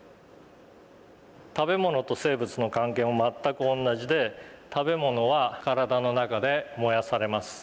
食べものと生物の関係も全く同じで食べものは体の中で燃やされます。